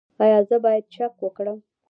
ایا زه باید شک وکړم؟